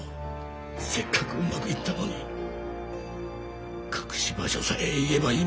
せっかくうまくいったのに隠し場所さえ言えばいいものを。